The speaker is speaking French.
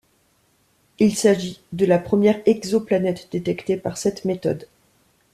Il s'agit de la première exoplanète détectée par cette méthode.